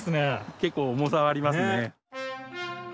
結構重さはありますね。